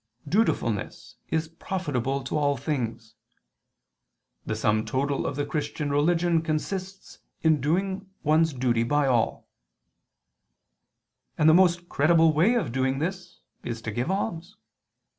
4:8: "'Dutifulness [Douay: 'godliness'] is profitable to all things': The sum total of the Christian religion consists in doing one's duty by all," and the most creditable way of doing this is to give alms.